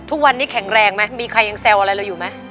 ทุกวันนี้แข็งแรงไหมมีใครยังแซวอะไรเราอยู่ไหม